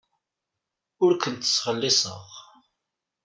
Ur ken-ttxelliṣeɣ.